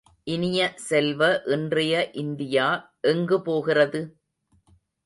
இனிய செல்வ இன்றைய இந்தியா எங்கு போகிறது?